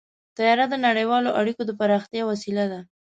طیاره د نړیوالو اړیکو د پراختیا وسیله ده.